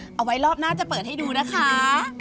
เอาไว้รอบหน้าจะเปิดให้ดูนะคะ